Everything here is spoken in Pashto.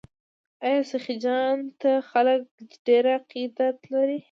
آیا سخي جان ته خلک ډیر عقیدت نلري؟